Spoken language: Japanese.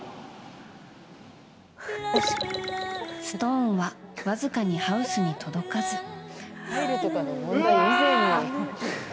ストーンはわずかにハウスに届かず。